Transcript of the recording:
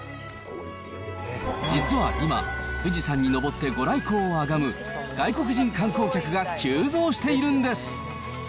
実は今、富士山に登ってご来光を拝む外国人観光客が急増しているんです。